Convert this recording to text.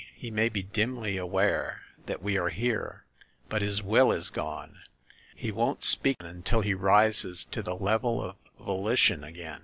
He may be dimly aware that we are here; but his will is gone. He won't speak until he rises to the level of volition again.